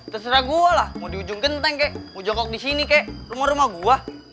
terserah gue lah mau di ujung genteng kek mau jokok di sini kek rumah rumah gue